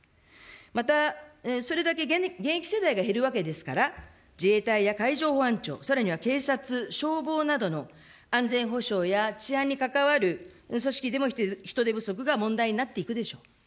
また、それだけ現役世代が減るわけですから、自衛隊や海上保安庁、さらには警察、消防などの安全保障や治安に関わる組織でも人手不足が問題になっていくでしょう。